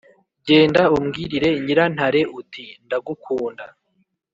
“genda umbwirire nyirantare uti ndagukunda